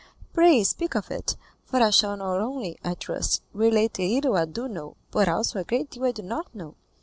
Pray speak of it, for I shall not only, I trust, relate the little I do know, but also a great deal I do not know."